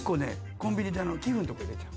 コンビニで寄付んとこ入れちゃう。